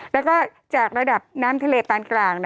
โทษทีน้องโทษทีน้อง